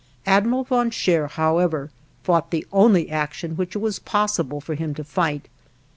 Admiral von Scheer, however, fought the only action which it was possible for him to fight.